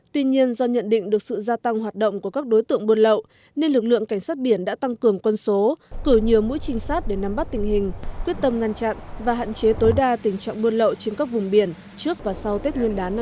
tuy nhiên do nhận định được sự gia tăng hoạt động của các đối tượng buôn lậu nên lực lượng cảnh sát biển đã tăng cường quân số cử nhiều mũi trinh sát để nắm bắt tình hình quyết tâm ngăn chặn và hạn chế tối đa tình trạng buôn lậu trên các vùng biển trước và sau tết nguyên đán năm hai nghìn hai mươi